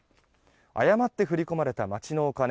誤って振り込まれた町のお金